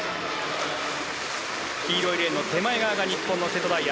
黄色いレーンの手前側が日本の瀬戸大也。